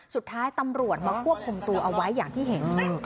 สุดท้ายตำรวจมาควบคุมตัวเอาไว้อย่างที่เห็น